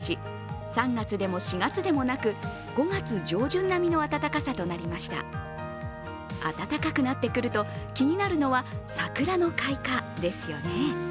最高気温は今年最高となる２２．２度を観測し３月でも４月でもなく、５月上旬並みの暖かさとなりました暖かくなってくるのは、気になるのは桜の開花ですよね。